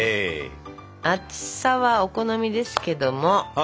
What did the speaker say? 厚さはお好みですけども。